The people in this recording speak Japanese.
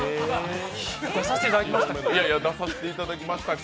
出させていただきましたっけ？